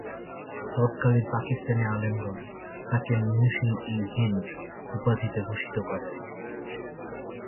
তৎকালীন পাকিস্তানি আলেমগণ তাকে "মুহসিন-ই-হিন্দ" উপাধিতে ভূষিত করেন।